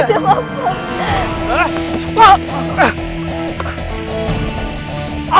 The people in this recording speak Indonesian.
tidak sengaja maaf